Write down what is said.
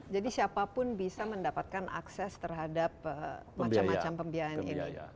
jadi siapapun bisa mendapatkan akses terhadap macam macam pembiayaan ini